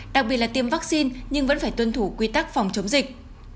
đặc biệt là tiêm vaccine nhưng vẫn phải tuân thủ quy tắc phòng chống dịch